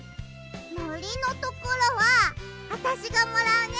のりのところはあたしがもらうね。